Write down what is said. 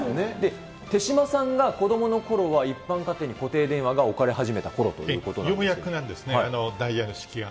手嶋さんが子どものころは一般家庭に固定電話が置かれ始めたようやくなんですね、ダイヤル式が。